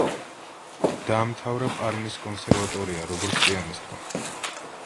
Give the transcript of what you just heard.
დაამთავრა პარმის კონსერვატორია, როგორც პიანისტმა.